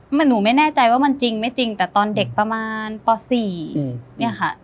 หนูไม่แน่ใจว่ามันจริงไม่จริงแต่ตอนเด็กประมาณป๔เนี่ยค่ะ